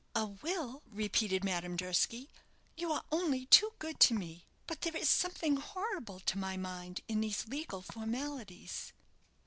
"A will!" repeated Madame Durski; "you are only too good to me. But there is something horrible to my mind in these legal formalities."